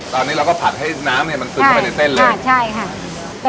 ตอนนี้เราก็ผัดให้น้ำเนี้ยมันซึมเข้าไปในเส้นเลยใช่ค่ะ